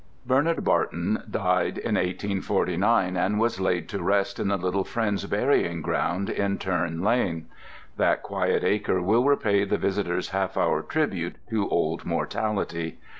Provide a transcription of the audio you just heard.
Bernard Barton died in 1849, and was kid to rest in the little Friends' burying ground in Turn Lane. That quiet acre will repay the visitor's half hour tribute to old mortality.